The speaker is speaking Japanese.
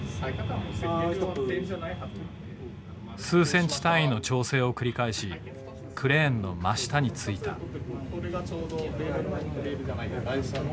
数センチ単位の調整を繰り返しクレーンの真下に着いた。